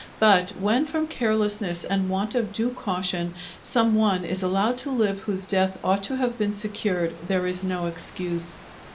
But when from carelessness and want of due caution some one is allowed to live whose death ought to have been secured, there is no excuse.